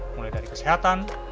mulai dari kesehatan